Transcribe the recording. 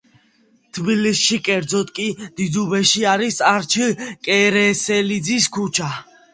თბილისში, კერძოდ კი დიდუბეში არის არჩილ კერესელიძის ქუჩა.